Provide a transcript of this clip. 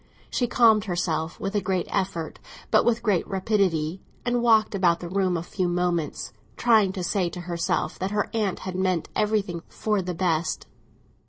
She calmed herself with a great effort, but with great rapidity, and walked about the room a few moments, trying to say to herself that her aunt had meant everything for the best.